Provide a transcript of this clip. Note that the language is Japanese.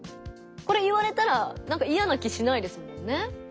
これ言われたらなんかいやな気しないですもんね。